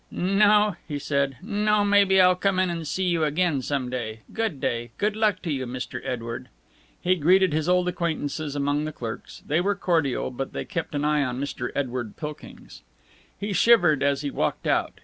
"No," he said; "no, maybe I'll come in and see you again some day. Good day. Good luck to you, Mr. Edward." He greeted his old acquaintances among the clerks. They were cordial, but they kept an eye on Mr. Edward Pilkings. He shivered as he walked out.